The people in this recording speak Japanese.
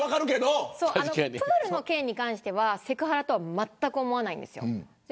プールの件に関してはセクハラとはまったく思わないんですよ。